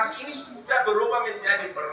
ini bukan lagi beras bantuan presiden